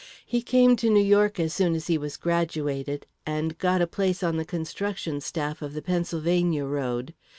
He came to New York, as soon as he was graduated, and got a place on the construction staff of the Pennsylvania road.